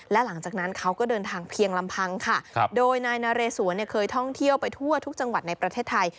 และหลังจากนั้นเขาก็เดินทางเพียงลำพังค่ะโดยนายนาเรสวนเคยท่องเที่ยวไปทั่วทุกจังหวัดในประเทศไทย